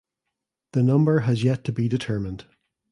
The number has yet to be determined.